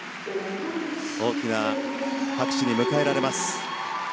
大きな拍手に迎えられます。